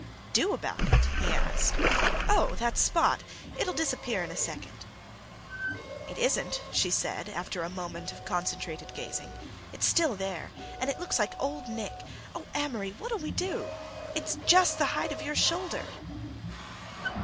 "Do about it?" he asked. "Oh—that spot; it'll disappear in a second." "It isn't," she said, after a moment of concentrated gazing, "it's still there—and it looks like Old Nick—oh, Amory, what'll we do! It's just the height of your shoulder."